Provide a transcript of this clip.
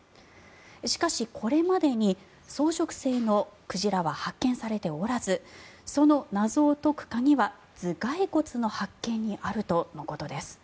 しかし、これまでに草食性の鯨は発見されておらずその謎を解く鍵は頭がい骨の発見にあるとのことです。